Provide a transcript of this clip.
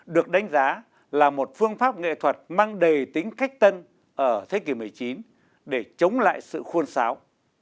được đánh giá là một phương pháp nghệ thuật mang đầy tính cách tân ở thế kỷ một mươi chín để chống lại sự khuôn sáo